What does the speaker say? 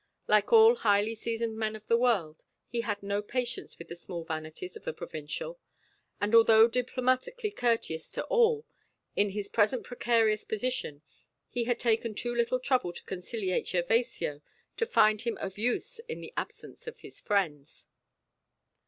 Like all highly seasoned men of the world, he had no patience with the small vanities of the provincial, and although diplomatically courteous to all, in his present precarious position, he had taken too little trouble to conciliate Gervasio to find him of use in the absence of his friends.